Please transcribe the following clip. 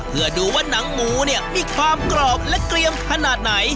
เพื่อดูว่าหนังหมูเนี่ยมีความกรอบและเกลียมขนาดไหน